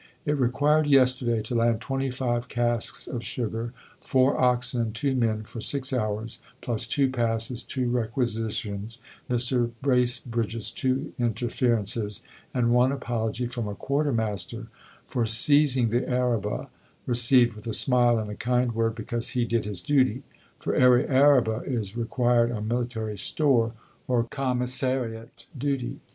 It required yesterday, to land 25 casks of sugar, four oxen and two men for six hours, plus two passes, two requisitions, Mr. Bracebridge's two interferences, and one apology from a quarter master for seizing the araba, received with a smile and a kind word, because he did his duty; for every araba is required on Military store or Commissariat duty.